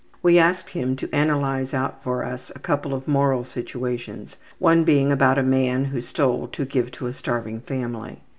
We asked him to analyze out for us a couple of moral situations, one being about a man who stole to give to a starving family.